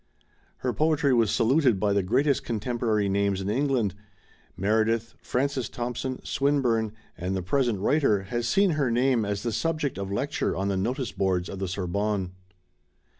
Her poetry was saluted by the greatest contemporary names in England: Meredith, Francis Thompson, Swinburne, and the present writer has seen her name as the subject of lecture on the notice boards of the Sorbonne.